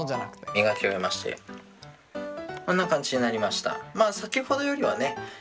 磨き終えましてこんな感じになりました。